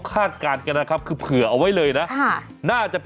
สวัสดีคุณชิสานะฮะสวัสดีคุณชิสานะฮะ